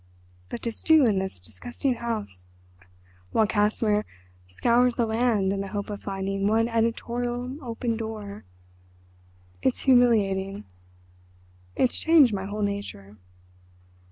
But to stew in this disgusting house while Casimir scours the land in the hope of finding one editorial open door—it's humiliating. It's changed my whole nature.